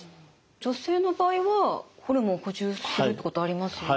女性の場合はホルモンを補充するってことありますよね。